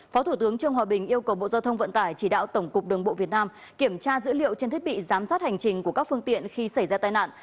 phó thủ tướng trương hòa bình yêu cầu bộ giao thông vận tải chỉ đạo tổng cục đường bộ việt nam kiểm tra dữ liệu trên thiết bị giám sát hành trình của các phương tiện khi xảy ra tai nạn